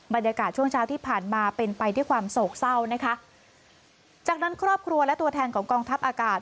บรรยากาศช่วงเช้าที่ผ่านมาเป็นไปด้วยความโศกเศร้านะคะจากนั้นครอบครัวและตัวแทนของกองทัพอากาศ